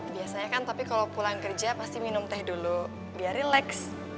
biasanya kan tapi kalau pulang kerja pasti minum teh dulu biar rileks